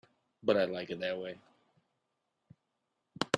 But I like it that way.